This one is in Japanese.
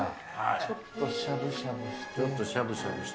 ちょっとしゃぶしゃぶして。